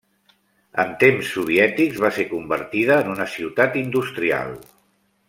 En temps soviètics va ser convertida en una ciutat industrial.